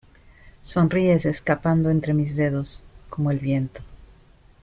Sonríes, escapando entre mis dedos, como el viento